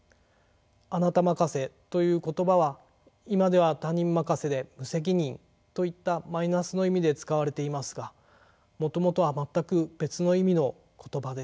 「あなた任せ」という言葉は今では他人任せで無責任といったマイナスの意味で使われていますがもともとは全く別の意味の言葉です。